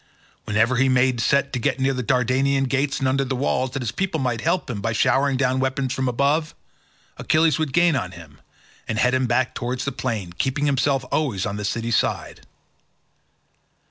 Whenever he made a set to get near the Dardanian gates and under the walls, that his people might help him by showering down weapons from above, Achilles would gain on him and head him back towards the plain, keeping himself always on the city side.